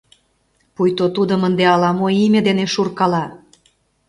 Пуйто тудым ынде ала-мо име дене шуркала.